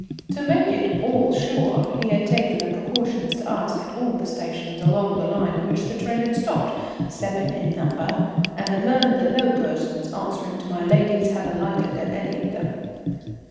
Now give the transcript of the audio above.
To make it all sure he had taken the precaution to ask at all the stations along the line at which the train had stopped, seven in number, and had learned that no persons answering to my ladies had alighted at any of them.